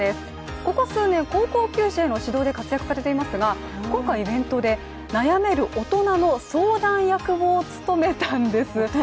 ここ数年高校球児への指導で活躍されていますが今回、イベントで悩める大人の相談役を務めたんです。